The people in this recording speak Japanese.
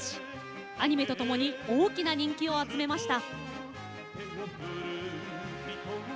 アニメとともに大きな人気を集めました。